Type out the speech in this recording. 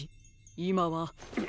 いまは？